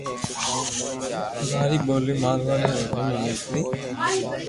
ماري ٻولي مارواڙي ٻولي مون نيڪري